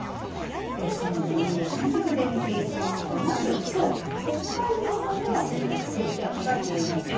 その理由を天気図で見ていきますとまずきょう、北海道の雨はこちらの低気圧が原因です。